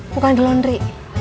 bukan ke laundry